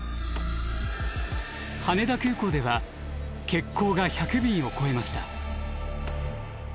羽田空港では欠航が１００便を超えました。